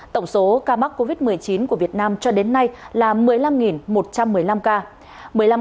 tổng số ca mắc covid một mươi chín của việt nam cho đến nay là một mươi năm một trăm một mươi năm ca